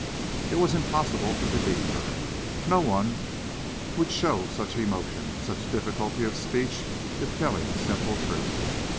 It was impossible to believe her. No one would show such emotion, such difficulty of speech, if telling a simple truth.